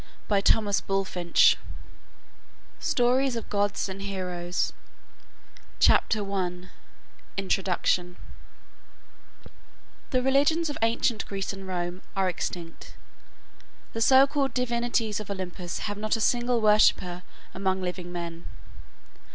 The Druids Iona GLOSSARY STORIES OF GODS AND HEROES CHAPTER I INTRODUCTION The religions of ancient Greece and Rome are extinct. The so called divinities of Olympus have not a single worshipper among living men.